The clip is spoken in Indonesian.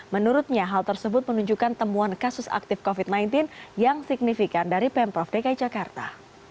menurutnya hal tersebut menunjukkan temuan kasus aktif covid sembilan belas yang signifikan dari pemprov dki jakarta